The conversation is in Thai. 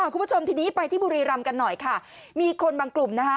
คุณผู้ชมทีนี้ไปที่บุรีรำกันหน่อยค่ะมีคนบางกลุ่มนะคะ